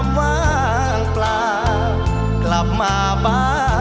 ช่วยฝังดินหรือกว่า